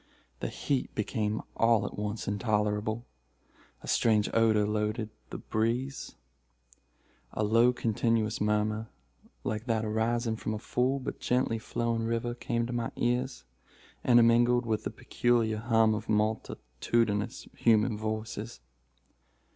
The heat became all at once intolerable. A strange odor loaded the breeze. A low, continuous murmur, like that arising from a full, but gently flowing river, came to my ears, intermingled with the peculiar hum of multitudinous human voices.